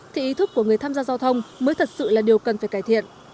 thì ý thức của người tham gia giao thông mới thật sự là điều cần phải cải thiện